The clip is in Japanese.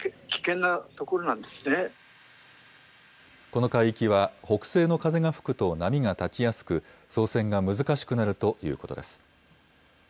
この海域は、北西の風が吹くと波が立ちやすく、操船が難しくなるということです。